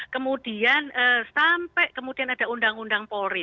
kemudian sampai kemudian ada undang undang polri